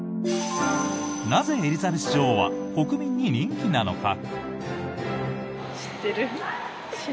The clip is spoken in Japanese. なぜエリザベス女王は国民に人気なのか？